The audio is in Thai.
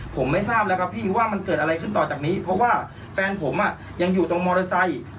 ผมไม่ทราบแล้วครับพี่ว่ามันเกิดอะไรขึ้นต่อจากนี้เพราะว่าแฟนผมอ่ะยังอยู่ตรงมอเตอร์ไซค์